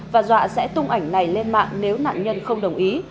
và dọa sẽ tung ảnh này lên mạng nếu nạn nhân không đồng ý